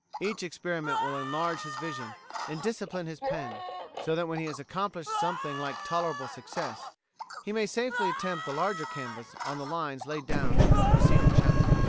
Each experiment will enlarge his vision and discipline his pen, so that when he has accomplished something like tolerable success, he may safely attempt the larger canvas on the lines laid down in the preceding chapters.